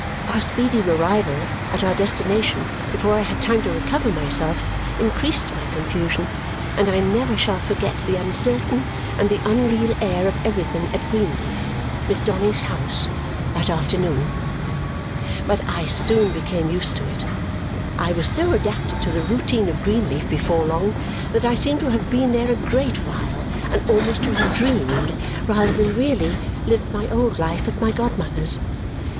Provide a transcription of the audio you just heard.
Our speedy arrival at our destination, before I had time to recover myself, increased my confusion, and I never shall forget the uncertain and the unreal air of everything at Greenleaf (Miss Donny's house) that afternoon! But I soon became used to it. I was so adapted to the routine of Greenleaf before long that I seemed to have been there a great while and almost to have dreamed rather than really lived my old life at my godmother's.